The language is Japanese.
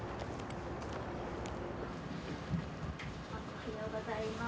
おはようございます。